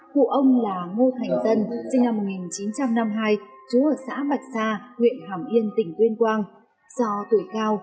cụ ông là ngô thành dân sinh năm một nghìn chín trăm năm mươi hai chú ở xã bạch sa huyện hàm yên tỉnh tuyên quang do tuổi cao